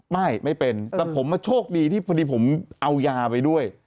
ไม่ไม่เป็นแต่ผมโชคดีที่พอดีผมเอายาไปด้วย